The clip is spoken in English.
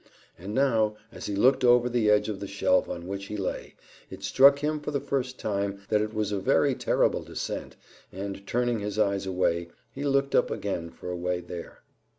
And now, as he looked over the edge of the shelf on which he lay, it struck him for the first time that it was a very terrible descent, and, turning his eyes away, he looked up again for a way there.